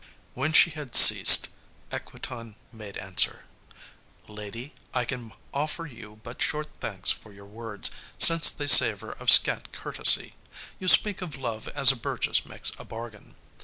When she had ceased, Equitan made answer, "Lady, I can offer you but short thanks for your words, since they savour of scant courtesy. You speak of love as a burgess makes a bargain.